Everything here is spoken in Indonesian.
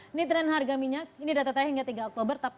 ini tren harga minyak ini data terakhir hingga tiga oktober